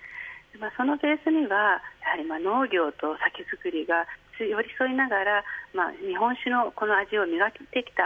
そのベースには農業とお酒造りが寄り添いながら日本酒のこの味を磨いてきた